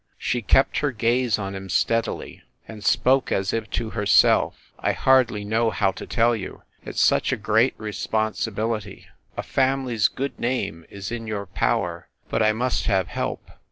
She kept her gaze on him steadily, and spoke as if SCHEFFEL HALL 29 to herself. "I hardly know how to tell you. ... It s such a great responsibility. ... A family s good name is in your power. ... But I must have help."